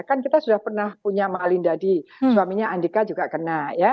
kan kita sudah pernah punya malinda di suaminya andika juga kena ya